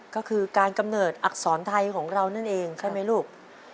ก็คือการกำเนิดอักษรไทยของเรานั่นเองใช่ไหมลูก